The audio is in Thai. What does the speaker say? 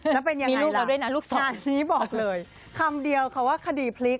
แล้วเป็นอย่างไรล่ะค่ะนี้บอกเลยคำเดียวเขาว่าคดีพลิก